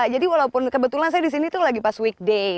jadi walaupun kebetulan satu jam di sini lebih pas for weekday